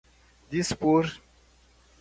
dispor